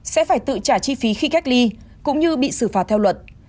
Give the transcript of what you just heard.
sẽ phải tự trả chi phí khi cách ly cũng như bị xử phạt theo luật